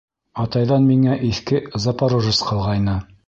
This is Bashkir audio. Атайҙан миңә иҫке «Запорожец» ҡалғайны.